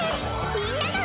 みんなの！